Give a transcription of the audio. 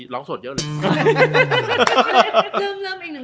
เริ่มอีกหนึ่ง